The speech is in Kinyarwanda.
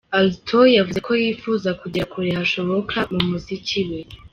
Alto yavuze ko yifuza kugera kure hashoboka mu muziki we.